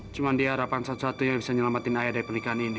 cuma diharapkan satu satunya bisa nyelamatin ayah dari pernikahan ini